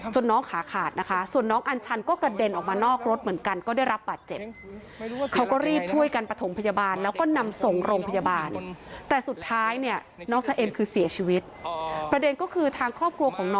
น้องขาขาดนะคะส่วนน้องอัญชันก็กระเด็นออกมานอกรถเหมือนกันก็ได้รับบาดเจ็บ